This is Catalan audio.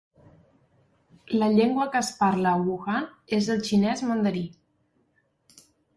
La llengua que es parla a Wuhan és el xinès mandarí.